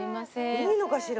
いいのかしら？